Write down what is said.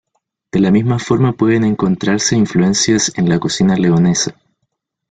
De la misma forma pueden encontrarse influencias en la cocina leonesa.